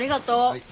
はい。